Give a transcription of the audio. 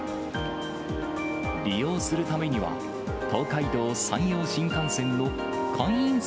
利用するためには、東海道・山陽新幹線の会員制